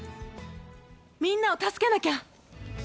みんなを助けなきゃ。